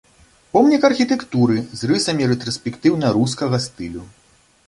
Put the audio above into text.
Помнік архітэктуры з рысамі рэтраспектыўна-рускага стылю.